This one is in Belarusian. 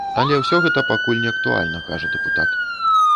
Але ўсё гэта пакуль не актуальна, кажа дэпутат.